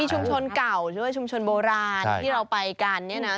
ชุมชนเก่าหรือว่าชุมชนโบราณที่เราไปกันเนี่ยนะ